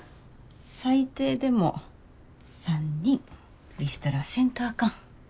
最低でも３人リストラせんとあかん。